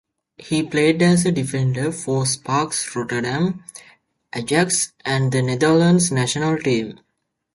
He played as a defender for Sparta Rotterdam, Ajax and the Netherlands national team.